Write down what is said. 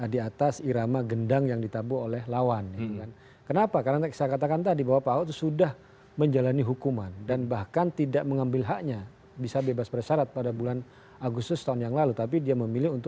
dia ingin menikmati hidupnya dulu